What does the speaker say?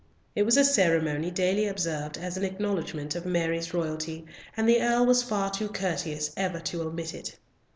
It was a ceremony daily observed as an acknowledgment of Mary's royalty, and the Earl was far too courteous ever to omit it.